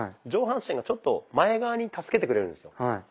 上半身がちょっと前側に助けてくれるんですよ。